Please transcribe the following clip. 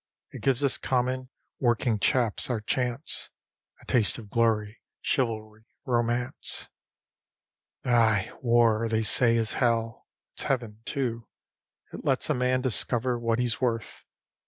It gives us common, working chaps our chance, A taste of glory, chivalry, romance. Ay, War, they say, is hell; it's heaven, too. It lets a man discover what he's worth.